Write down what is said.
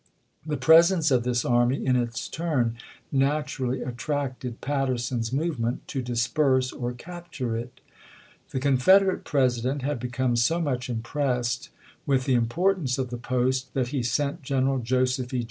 The presence of this army, in its turn, naturally attracted Patterson's movement to disperse or capture it. The Confederate President had become so much impressed with the importance of the post that he sent General Joseph E.